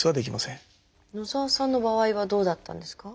野澤さんの場合はどうだったんですか？